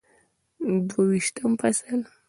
دوه ویشتم فصل